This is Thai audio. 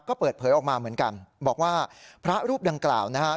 ก็เปิดเผยออกมาเหมือนกันบอกว่าพระรูปดังกล่าวนะฮะ